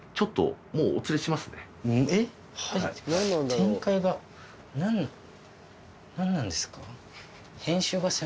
展開が何何なんですか？